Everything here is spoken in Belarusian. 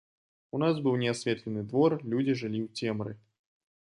У нас быў неасветлены двор, людзі жылі ў цемры.